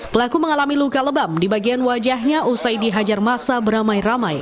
pelaku mengalami luka lebam di bagian wajahnya usai dihajar masa beramai ramai